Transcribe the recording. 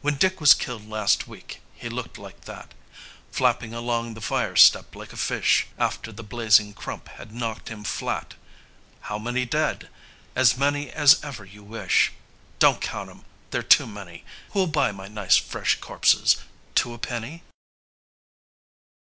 When Dick was killed last week he looked like that, Flapping along the fire step like a fish, After the blazing crump had knocked him flat ... _"How many dead? As many as ever you wish. Don't count 'em; they're too many. Who'll buy my nice fresh corpses, two a penny?"